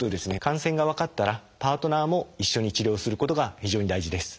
感染が分かったらパートナーも一緒に治療することが非常に大事です。